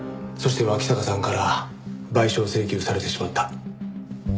そして脇坂さんから賠償請求されてしまった。